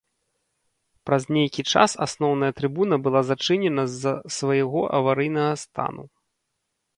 Праз нейкі час асноўная трыбуна была зачынена з-за свайго аварыйнага стану.